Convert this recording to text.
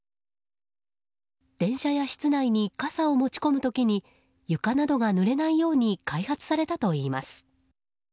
電車や室内に傘を持ち込む時にゆかなどがぬれないように開発されたといいます。